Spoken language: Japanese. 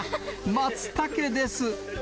マツタケです。